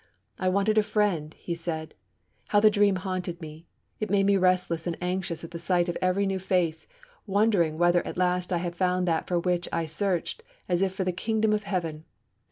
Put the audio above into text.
'I wanted a friend,' he says. 'How the dream haunted me! It made me restless and anxious at the sight of every new face, wondering whether at last I had found that for which I searched as if for the kingdom of heaven.